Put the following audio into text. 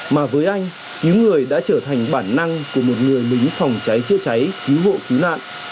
mà với anh cứu người đã trở thành bản năng của một người lính phòng cháy chữa cháy cứu hộ cứu nạn